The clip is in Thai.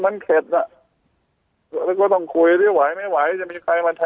มันเข็ภน่ะก็ก็ต้องคุยที่ไหวไม่ไหวจะมีใครมาแทน